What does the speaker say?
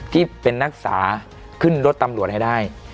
ที่เป็นนักศึกษาขึ้นรถตำรวจให้ได้